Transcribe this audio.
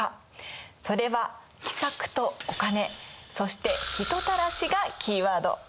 それは「奇策」と「お金」そして「人たらし」がキーワード。